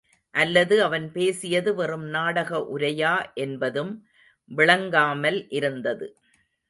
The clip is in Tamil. அல்லது அவன் பேசியது வெறும் நாடக உரையா என்பதும் விளங்காமல் இருந்தது.